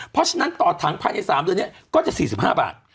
เพราะฉะนั้นต่อถังภายใน๓เดือนนี้ก็จะ๔๕บาท